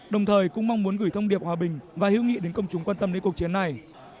đồng thời cũng mong muốn gửi thông điệp hòa bình và hữu nghị đến công chúng quan tâm đến cuộc chiến này